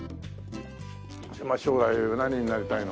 将来は何になりたいの？